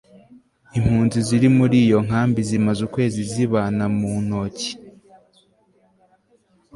impunzi ziri muri iyo nkambi zimaze ukwezi zibana mu ntoki